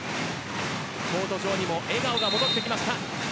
コート上にも笑顔が戻ってきました。